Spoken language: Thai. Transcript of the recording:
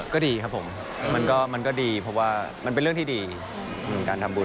ก็ดีครับผมมันก็ดีเพราะว่ามันเป็นเรื่องที่ดีการทำบุญ